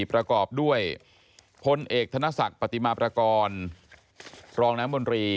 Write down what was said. ประกอบด้วยพลเอกธนศักดิ์ปฏิมาประกอบรองน้ำมนตรี